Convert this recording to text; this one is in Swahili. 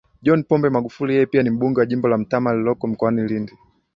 John Pombe Magufuli Yeye pia ni mbunge wa jimbo la Mtama lililoko mkoani Lindi